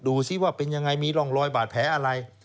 ซิว่าเป็นยังไงมีร่องรอยบาดแผลอะไร